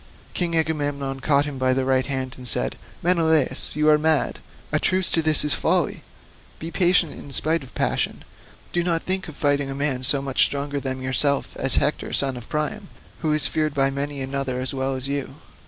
King Agamemnon caught him by the right hand and said, "Menelaus, you are mad; a truce to this folly. Be patient in spite of passion, do not think of fighting a man so much stronger than yourself as Hector son of Priam, who is feared by many another as well as you.